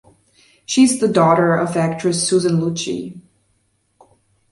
She is the daughter of actress Susan Lucci.